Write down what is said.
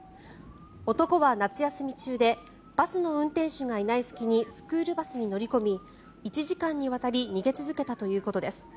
男は夏休み中でバスの運転手がいない隙にスクールバスに乗り込み１時間にわたり逃げ続けたということです。